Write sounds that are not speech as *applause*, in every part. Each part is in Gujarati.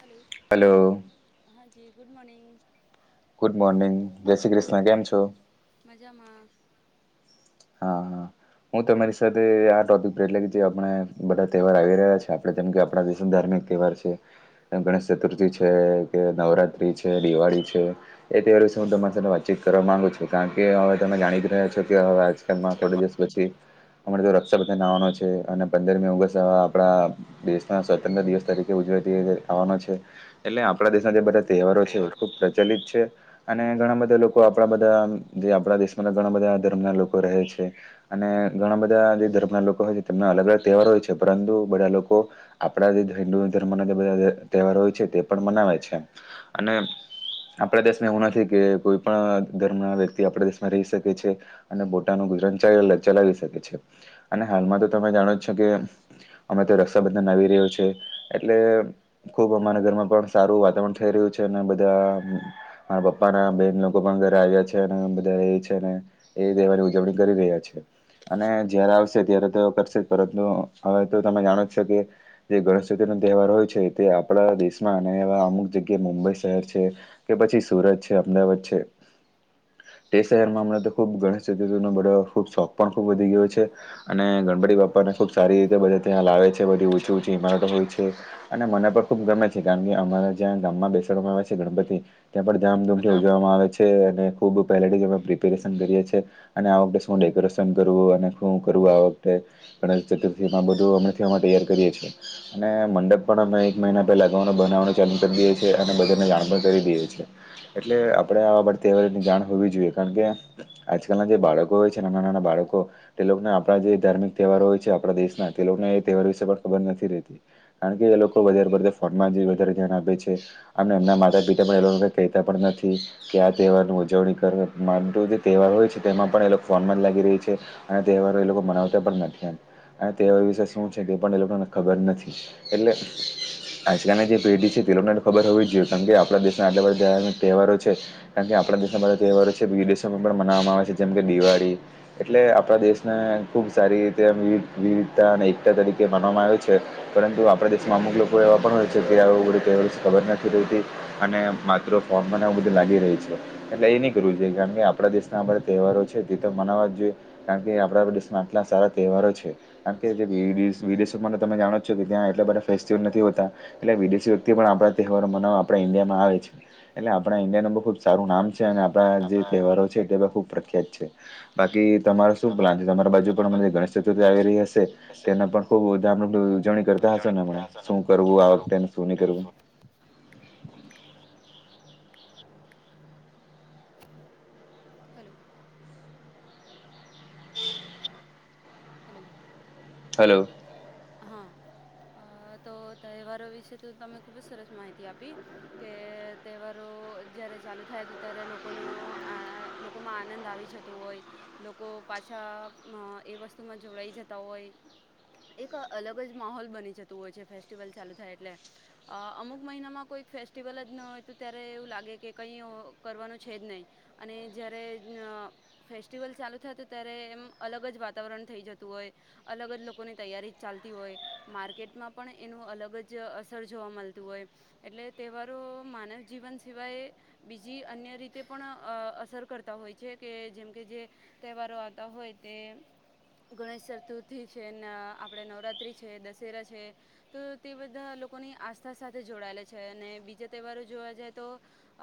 હલો હલો હાજી ગુડ મોર્નિંગ ગુડ મોર્નિંગ જય શ્રી કૃષ્ણ કેમ છો? મજામાં હા હા હું તમારી સાથે આ ટોપિક પર એટલે કે જે આપણે બધા તહેવાર આવી રહ્યા છે આપણે જેમકે આપણા દેશ ધાર્મિક તહેવાર છે ગણેશ ચતુર્થી છે કે નવરાત્રી છે દિવાળી છે. એ ત્યોહારો વિશે હું તમારી સાથે વાતચીત કરવા માંગુ છું કારણ કે હવે તમે જાણી રહ્યા છો આજ હમડા થોડે દિવસ પછી અમારા તો રક્ષાબંધન આવાનો છે અને પંદરમી દિવસ આપણા દેશના સ્વતંત્ર દિવસ તરીકે ઉજવાયતી આવવાનો છે એટલે આપણા દેશના જે બધા તહેવારો છે ખુબ પ્રચલિત છે. અને ઘણા બધા લોકો આપણા બધા જે આપણા દેશમાં ઘણા બધા ધર્મના લોકો રહે છે. અને ઘણા બધા જે ધર્મના લોકો હોય છે તેમના અલગ અલગ તહેવાર હોય છે પરંતુ બધા લોકો આપણા જે હિન્દુ ધર્મના જે બધા તહેવારો હોય છે તે પણ મનાવે છે અને આપણા દેશમાં એવું નથી કે કોઈ પણ ધર્મ ના વ્યક્તિ આપણા દેશમાં રહી શકે છે. અને બોટાનું ગુજરાતી ચલાવી શકે છે. અને હાલમાં તો તમે જાણો છો કે! અમે તો રક્ષાબંધન આવી રહ્યું છે એટલે ખુબ અમારા ઘરમાં પણ સારું વાતાવરણ થઈ રહ્યું છે. અને બધા મારા બાપા પપ્પા ના બેહેન લોકો પણ ઘરે આવ્યા છે. અને બધા એ છે ને એ દેવાની ઉજવણી કરી રહ્યા છે. અને જયારે આવશે ત્યારે તે કરશે જ પરંતુ હવે તો તમે જાણો જ છો કે જે ગણેશતિ નો તહેવાર હોય છે. તે આપણા દેશમાં અને એવા અમુક જગ્યાએ મુંબઈ શહેર છે. કે પછી સુરત છે અમદાવાદ છે તે શહેરમાં હમણાં તો ખૂબ ગણેશ ચતુર્થીનો બડ્યો ખૂબ શોખ પણ ખૂબ વધી ગયો છે. અને ગણપડી બાપ્પાને ખુબ સારી રીતે બધા ત્યાં લાવે છે બધી ઊંચી ઊંચી ઇમારતો હોય છે. અને મને પર ખુબ ગમે છે. કારણ કે અમારા જ્યાં ગામમાં બેસાડવામાં આવે છે ગણપતિ ત્યાં પણ ધામધૂમથી ઉજવવામાં આવે છે. અને ખુબ પહેલેથી જ અમે પ્રિપેરે કરી કરીએ છે અને આ વખતે શું ડેકોરેશન કરવું અને શું કરવું આ વખતે ગણેશ ચતુર્થી માં બધું અમે થવા તૈયાર કરીએ છીએ. અને મંડપ પણ અમે એક મહિના પેલા બનાવાનું ચાલુ કરી દેઇ સે. અને બધાને જાણ પણ કરી દેએ છીએ. એટલે આપડે આવા બધ તહેવારીની જાણ હોવી જોઈએ. કારણ કે આજકાલ ના જે બાળકો હોય છે ને નાના ના બાળકો તે લોકને આપણા જે ધાર્મિક તહેવારો હોય છે. આપણા દેશના તે લોકને એ તહેવાર વિશે પણ ખબર નથી રહેતી. કારણ કે એ લોકો વધારે પડતો ફોનમાં જ વધારે ધ્યાન આપે છે. અને એમના માતા પિતા પણ એ લોકો કહેતા પણ નથી. કે આ તહેવારની ઉજવણી કરવાની માન *unintelligible* તહેવાર હોય છે. તેમાં પણ એ લોક ફોનમાં જ લાગી રહી છે. અને તેહવાર એ લોકો મનાવતા પણ નથી એમ. અને તેવા વિશે શું છે. તે પણ એ લોકોને ખબર નથી. એટલે આજકાલની જે પેઢી છે. તે લોકોને તો ખબર હોવી જ જોઈએ કેમ કે આપડા દેશના આટલા બધા ધાર્મિક તહેવારો છે. કારણ કે આપણા દેશના બધા તહેવારો છે. વિદેશોમાં પણ મનાવામાં આવે છે. જેમ કે દિવાળી એટલે આપણા દેશને ખુબ સારી રીતે વિવિધ વિવિધતા અને એકતા તરીકે માનવામાં આવે છે. પરંતુ આપણા દેશમાં અમુક લોકો એવા પણ હોય છે. કે આવું બધું તેહવાર વિશ ખબર નથી રહેતી. અને માત્ર ફોર્મ મને આવું બધું લાગી રહી છે. એટલે એ નહી કરવું જોઈએ જેમ કે આપ પડા દેશના આ બધા તહેવારો છે. તે તો મનાવવા જ જોઈએ કારણ કે આપડા દેશમાં આટલા સારા તેહવારો છે. કારન કે જે વિયદેશ વિદેશમાં તો તમે જાણો છો કે ત્યા એટલા બધા ફેસ્ટિવલ નથી હોતા. એટલે વિદેશી વ્યક્તિ પણ આપણા તહેવારો મનાવવા આપણા ઈન્ડિયામાં આવે છે. એટલે આપણા ઈન્ડિયાનો તો ખુબ સારું નામ છે અને આપ પણા જે તહેવારો છે. તે ખુબ પ્રખ્યાત છે. બાકી તમારો શું પ્લાન છે. તમારા બાજુ પણ *unintelligible* ગણેશ ચતુર્થી આવી રહી હશે તેના પણ ખુબ *unintelligible* ઉજવણી કરતા હશોને હમણે શું કરવું આ વખતેને શું નહી કરવું. હલો. હલો. હેલ્લો. હેલ્લો હા. અ તો તહેવારો વિશે તો તમે ખૂબ જ સરસ માહિતી આપી. કે તહેવારો જ્યારે ચાલુ થાય છે. ત્યારે લોકોનો આ લોકોમાં આનંદ આવી જતો હોય. લોકો પાછા અ એ વસ સ્તુમાં જોડાઈ જતા હોય એક અલગ જ માહોલ બની જતું હોય છે. ફેસ્ટિવલ ચાલુ થાય એટલે. અ અમુક મહિનામાં કોઈક ફેસ્ટિવલ જ ન હોય તો ત્યારે એવું લાગે કે કઈ અ કરવાનું છે જ નહિ. અને જયારે જ્ઞ ફેસ્ટિવલ ચાલુ થાય તો ત્યારે એમ અલગ જ વાત તાવરણ થઈ જતું હોય અલગ જ લોકોની તૈયારી જ ચાલતી હોય. માર્કેટમાં પણ એનું અલગ જ અસર જોવા મલતું હોય. એટલે તહેવારો માનવ જીવન સિવાય બીજી અન્ય રીતે પણ અ અસર કરતા હોય છે કે જેમ કે જે તહેવારો આવતા હોય તે ગણેશ ચતુર્થી છે ન આપડે નવરાત્રી છે, દશેરા છે તો તે બધા લોકોની આસ્થા સાથે જોડાયેલા છે, અને બીજા તહેવારો જોવા જાય તો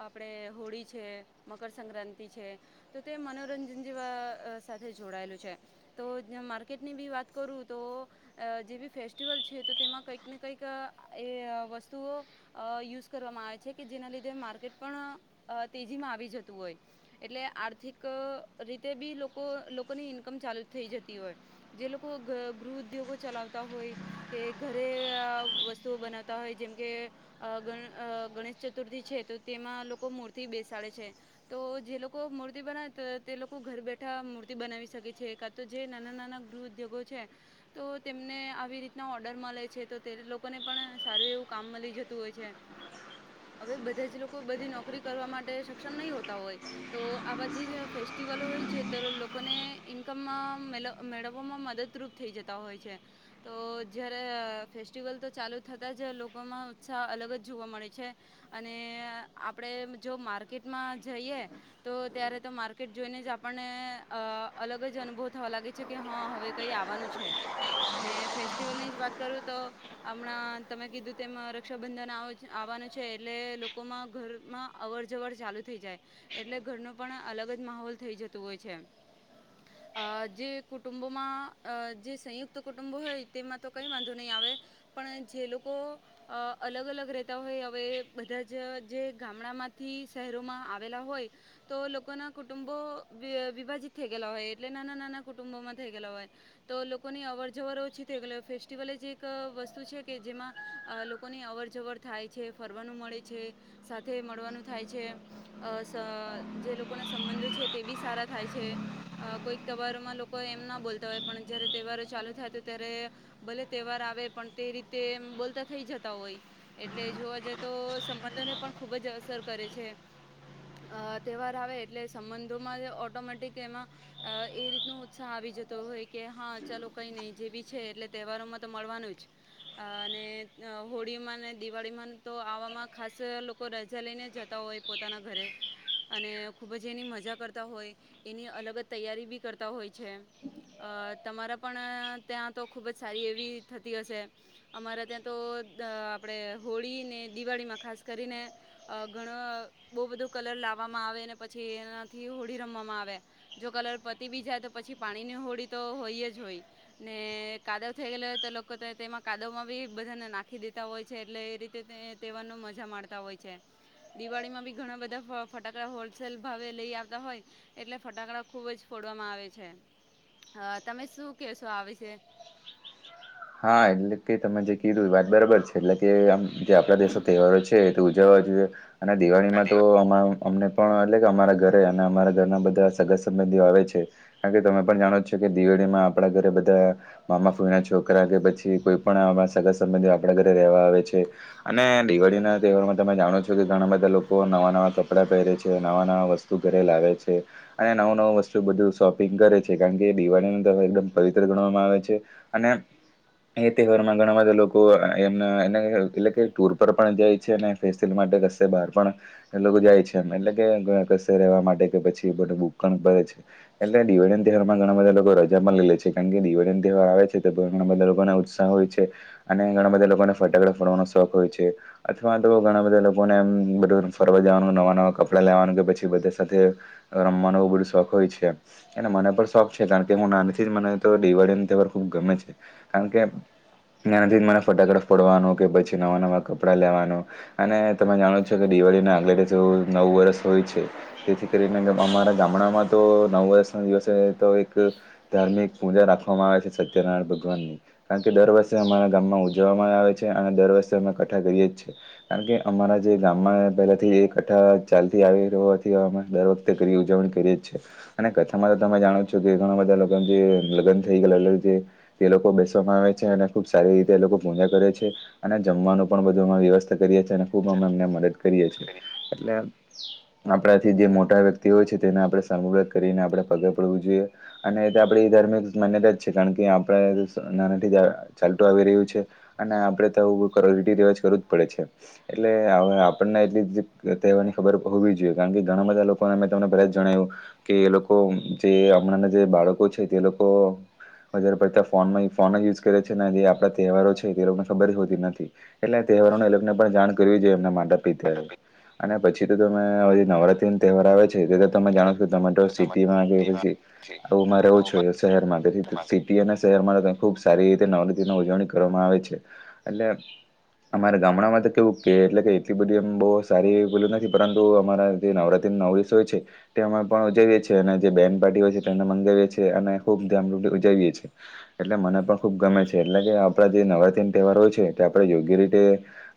આપડે હોળી છે, મકરસક્રાંતિ છે તો તે મનોરંજન જેવા અઅ સાથે જોડાયેલું છે. તો જ માર્કેટની બી વાત કરું તો અ જેબી ફેસ્ટિવલ છે, તો તેમાં કંઈક ને કંઈક એઅ વસ્તુઓ અ યુઝ કરવામાં આવે છે કે, જેના લીધે માર્કેટ પણ અ તેજીમાં આવી જતું હોય. એટલે આર્થિક રીતે બી લોકો લોકોની ઇન્કમ ચાલુ થઈ જતી હોય. જે લોકો ગ ગૃહ ઉદ્યોગો ચલાવતા હોય કે ઘરે આવ વસ્તુઓ બનાવતા હોય જેમ કે અ ગ ગણેશ ચતુર્થી છે તો તેમાં લોકો મૂર્તિ બેસાડે છે. તો જે લોકો મૂર્તિ બનાવે તે લોકો ઘર બેઠા મૂર્તિ બનાવી શકે છે એકાદ તો જે નાના નાના ગૃહ ઉદ્યોગો છે તો તેમને આવી રીતના ઓર્ડર મળે છે, તો તે લોકોને પણ સારું એવું કામ મળી જતું હોય છે. *inaudible* હવે બધા જ લોકો બધી નોકરી કરવા માટે સક્ષમ નહીં હોતા હોય, તો આ બા જે ફેસ્ટિવલો હોય છે તો લોકોને ઇન્કમ માં મેળવવામાં મદદરૂપ થઈ જતા હોય છે. તો જ્યારે ફેસ્ટિવલ તો ચાલુ થતા જ લોકોમાં ઉત્સાહ અલગ જ જોવા મળે છે અને આપડે જો માર્કેટમાં જઈએ તો ત્યારે તો માર્કેટ જોઈને જ આપણને અ અલગ મજ અનુભવ થવા લાગે છે કે હા હવે કઈ આવવાનું છે. ને ફેસ્ટિવલ ની જ વાત કરું તો હમણાં તમે કીધું તેમાં રક્ષાબંધન આવાનું આવવાનું છે, એટલે લોકોમાં ઘરમાં અવર જવર ચાલુ થઈ જાય, એટલે ઘરનો પણ અલગ જ માહોલ થઈ જતું હોય છે. અ જે કુટુંબોમાં અ જે સંયુક્ત કુટુંબો હોય તેમાં તો કંઈ વાંધો નહીં આવે. પણ જે લોકો અ અલગ અલગ રહેતા હોય હવે બધા જ જે ગામડામાંથી શહેરોમાં આવેલા હોય તો લોકો ના કુટુંબો વિ વિભાજીત થઈ ગયેલા હોય એટલે નાના નાના કુટુંબોમાં ગયેલા હોય. તો લોકોની અવર જવર ઓછી થઈ ગયેલી ફેસ્ટિવલ જ એક વસ્તુ છે કે જેમાં અ લોકોની અવર જવર થાય છે, ફરવાનું મળે છે, સાથે મળવાનું થાય છે. અ સ જે લોકોના સંબંધો છે તે બી સારા થાય છે. અ કોઈક તહેવારોમાં લોકો એમ ના બોલતા હોય, પણ જ્યારે તહેવારો ચાલુ થાય તો ત્યારે ભલે તહેવાર આવે પણ તે રીતે એમ બોલતા થઈ જતા હોય. એટલે જોવા જઈ તો સંબંધોને પણ ખુબ જ અસર કરે છે. અ તહેવાર આવે એટલે સંબંધોમાં ઓટોમેટિક એમાં અ એ રીતનો ઉત્સાહ આવી જતો હોય, કે હા ચાલો કઈ નહી જેવી છે એટલે તહેવારોમાં તો મળવાનું જ. અને હોળીમાં અને દિવાળીમાં તો આવામાં ખાસ લોકો રજા લઈને જ તા હોય પોતાના ઘરે અને ખૂબ જ એની મજા કરતા હોય એની અલગ જ તૈયારી ભી કરતા હોય છે. અ તમારા ત્યાં પણ ખૂબ જ સારી એવી થતી હશે. અમારે ત્યાં તો આપણે હોળીને, દિવાળીમાં ખાસ કરીને અ ઘણ બહુ બધો કલર લાવવામાં આવે ને પછી એનાથી હોડી રમવામાં આવે જો કલર પતી બી જાય, તો પછી પાણી ની હોડી તો હોય જ હોય. ને કાદવ થઈ ગયેલો હોય તો લોકો તેમાં કાદવમાં બી બધાને નાખી દેતા હોય છે એટલે એ રીતે તેવારનો મજા માણતા હોય છે. દિવાળીમાં બી ઘણા બધા ફટાકડા હોલસેલ ભાવે લઈ આવતા હોય એટલે ફટાકડા ખૂબ જ ફોડવામાં આવે છે, અ તમે શું કહેશો આ વીશે? હા એટલે કે તમે જે કીધું એ વાત બરાબર છે એટલે કે આમ જે આપણા દેશનો તહેવારો છે તે ઉજવવા જોઇએ. અને દિવાળીમાં તો આમા અમને પણ એટલે કે અમારા ઘરે અને અમારા ઘરના બધા સગા સંબંધીઓ આવે છે. કારણ કે તમે પણ જાણો છો કે દિવેળીમાં આપડા ઘરે બધા મામા ફોઈના છોક કરા કે પછી કોઈ પણ આમાં સગર સંબંધી આપણા ઘરે રહેવા આવે છે. અને દિવાળી ના તહેવારમાં તમે જાણો છો કે ઘણા બધા લોકો નવા નવા કપડાં પહેરે છે, નવા નવા વસ્ તુ ઘરે લાવે છે. અને નવું નવું વસ્તુ બધું શોપિંગ કરે છે, કારણ કે દિવાળી તહેવાર એકદમ પવિત્ર ગણવામાં આવે છે. અને એ તહેવારમાં ઘણા બધા લોકો *unintelligible* એટલે કે ટૂર પર પણ જાય છે. અને ફેસ્ટિલ માટે કસે બાર પણ એ લોકો જાય છે, એમ એટલે કે કશે રહેવા માટે કે પછી બધુ બુક પણ કરે છે. એટલે દિવાળીન તહેવારમાં ઘણા બધા લોકો રજા પણ લેલે છે, કારણ કે દિવાળી તહેવાર આવે છે. ઘણા બધા લોકોને ઉત્સાહ હોય છે, અને ઘણા બધા લોકોને ફટાકડા ફડવાનો શોખ હોય છે. અથવા તો ઘણા બધા લોકોને એમ બધું ફરવા જવાનું નવા નવા કપડાં લેવાનું કે પછી બધા સાથે રમવાનો એવો બધો શોખ હોય છે. એને મને પણ શોખ છે, કારણ કે હું નાનીથી જ મને તો દિવાળી તહેવાર ખુબ ગમે છે, કારણ કે નાનેથી જ મને ફટાકડા ફોડવાનો કે પછી નવા નવાં કપડાં લેવાનો અને તમે જાણો છો કે દિવાળી ના આગલે દિવસે નવ વર્ષ હોય છે. તેથી કરીને અમારા ગામડામાં તો નવ વર્ષના દિવસે તો એક ધાર્મિક પૂજા રાખવામાં આવે છે, સત્યનારાયણ ભ ગવાનની કારણ કે દર વર્ષે અમારા ગામમાં ઉજવવામાં આવે છે, અને દર વર્ષે અમે કઠ્ઠા કરીએ જ છે. કારણ કે અમારા જે ગામમાં પહેલાથી એ કથા ચાલતી આવી રહ્યો *unintelligible* તે કરીએ ઉજવણી કરીએ છે. અને કથામાં તો તમે જાણો છો કે ઘણા બધા લોકો જે લગન થઈ ગયેલા એટલે જે તે લોકો બેસવામાં આવે છે, અને ખુબ સારી રીતે એ લોકો પૂજા કરે છે. અને જમવાનું પણ બધું અમે વ્યવસ્થા કરીએ છીએ અને ખુબ અમે એમને મદદ કરીએ છીએ એટલે આપણાથી જે મોટા વ્યક્તિઓ છે, તેને સાલ મુબારક કરીને પગે પડવું જોયે અને એ આપડી ધાર્મિક માન્યતા જ છે, કારણ કે આપડ નાનાથી ચાલતું આવી રહ્યું છે. અને આપડે તો આવું *unintelligible* રિવાજ કરવ જ પડે છે. એટલે અવે આપણને એટલી તહેવાની ખબર હોવી જોઈએ કારણ કે ઘણા બધા લોકોને મેં તમને પેલા જણાવ્યું કે એ લોકો જે હમણાં ના જે બાળકો છે, તે લોકો હજાર *unintelligible* ફોનમાં ફોન જ યુઝ કરે છે, જે આપણા તહેવારો છે, તે લોકોને ખબર જ હોતી નથી એટલે તહેવારોને એલોકને પણ જાણ કરવી જોએ એમના માતા પિતાએ અને પછી તો તમે નવરા તહેવાર આવે છે, તે તમે જાણો છો તમે તો સિટીમાં કે પછી આવુંમાં *unintelligible* શહેરમાં સિ ટી અને શહેરમાં ખુબ સારી રીતે નવરીની ઉજવણી કરવામાં આવે છે, એટલે અમારા ગામડામાં તો કેવું કે એટલે કે એટલી બધી એમ બો સારી *unintelligible* નથી પરંતુ અમારા જે નવરાત્રી નવ દીવસ હોય છે. તે અમે પણ ઉજવીએ છીએ અને જે બેન પાર્ટી હોય છે, તેને મંગાવએ છે, અને ખુબ ધામધુપી ઉજવીએ એટલે મને પણ ખુબ ગમે છે, એટલે કે આપડા જે નવરાત્રી તહેવારો છે, તે આપણે યોગ્ય રીતે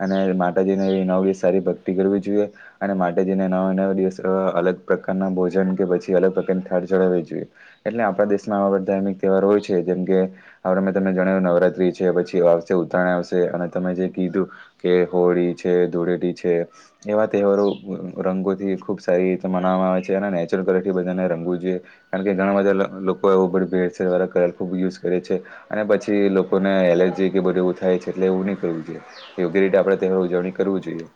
અને માતાજીને નવ દિવસ સારી ભક્તિ કરવી જોઈએ. અને માતાજીને નવે નવ દિવસ અલગ પ્રકારના ભોજન કે પછી અલગ પ્રકારની થાળ ચડાવી જોએ. એટલે આપણા દેશમાં આવા બધા ધાર્મિક તહેવાર હોય જેમ કે આપડે મેં તને જણાવ્યું નવરાત્રી છે, પછી આવશે ઉત્તરાયણ આવશે અને તમે જે કીધું કે હોળી છે, ધૂળેટી છે. એવા તહેવારો રંગોથી ખૂબ સારી રીતે મનાવામાં આવે છે, અને નેચરલ કલરથી બધાને રંગવુ જોએ કારણ કે ઘણા બધા લો લોકો *unintelligible* ખૂબ યુઝ કરે છે, અને પછી એલોકોને એલર્જી કે બધું એવું થાય છે, એટલે એવુ ની કરવું જોએ. યોગ્ય રીતે આપડે તેની ઉજવણી કરવુ જોઈએ.